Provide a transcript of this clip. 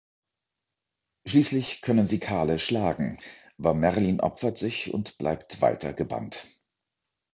Schließlich können sie Kale schlagen, aber Merlin opfert sich und bleibt weiter gebannt.